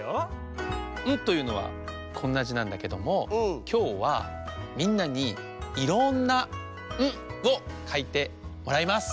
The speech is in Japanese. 「ん」というのはこんな「じ」なんだけどもきょうはみんなにいろんな「ん」をかいてもらいます。